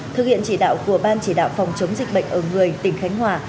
thực hiện chỉ đạo của ban chỉ đạo phòng chống dịch bệnh ở người tỉnh khánh hòa